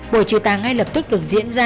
bộ trừ tà ngay lập tức được diễn ra